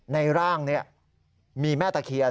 ในร่างนี้มีแม่ตะเคียน